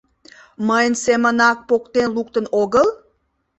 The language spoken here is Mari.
Мыйын семынак поктен луктын огыл?..